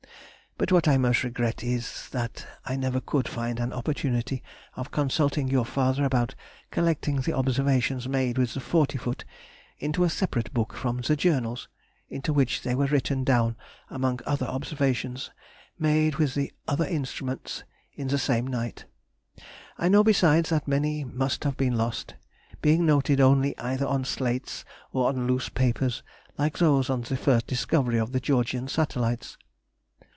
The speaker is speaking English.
But what I most regret is, that I never could find an opportunity of consulting your father about collecting the observations made with the 40 foot into a separate book from the journals, into which they were written down among other observations made with the other instruments in the same night. I know besides that many must have been lost, being noted only either on slates or on loose papers, like those on the first discovery of the Georgian Satellites.